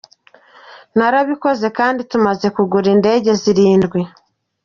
Narabikoze kandi tumaze kugura indege zirindwi.